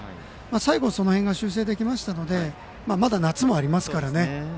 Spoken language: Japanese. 最後、その辺が修正できましたのでまだ夏もありますからね。